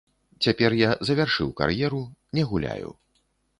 Цяпер я завяршыў кар'еру, не гуляю.